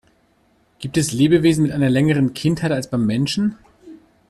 Gibt es Lebewesen mit einer längeren Kindheit als beim Menschen?